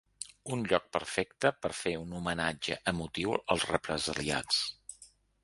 Un lloc perfecte per fer un homenatge emotiu als represaliats.